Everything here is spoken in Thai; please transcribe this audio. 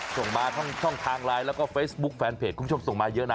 ส่งมาช่องทางไลน์แล้วก็เฟซบุ๊คแฟนเพจคุณผู้ชมส่งมาเยอะนะ